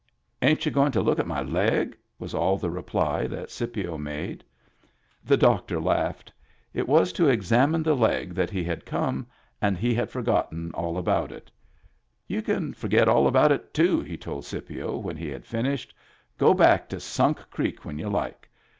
" Ain't y'u going to look at my leg ?" was all the reply that Scipio made. The doctor laughed. It was to examine the leg that he had come, and he had forgotten all about it. " You can forget all about it, too," he told Scipio when he had finished. " Go back to Sunk Creek when you like.